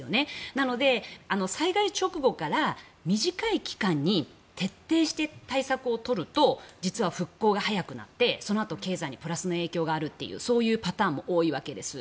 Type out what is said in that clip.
なので、災害直後から短い期間に徹底して対策を取ると実は復興が早くなってそのあと、経済にプラスの影響があるというそういうパターンも多いわけです。